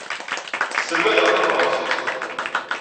Tesselmad-aɣ tafransist.